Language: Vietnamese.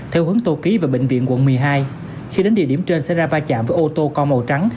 theo hướng tô ký vào bệnh viện quận một mươi hai khi đến địa điểm trên xe ra va chạm với ô tô con màu trắng